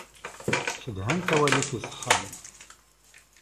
Cedhant awal-ik iṣeḥḥan.